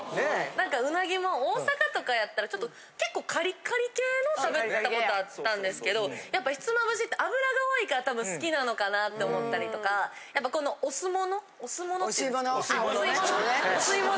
なんかうなぎも、大阪とかやったら、ちょっと、結構かりかり系の食べたことあったんですけど、やっぱりひつまぶしって脂が多いから好きなのかなって思ったりとか、やっぱ、この、お吸い物。